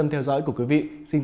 tôi cảm ơn